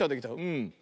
うん。